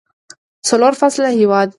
څلور فصله هیواد دی.